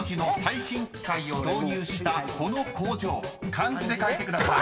［漢字で書いてください］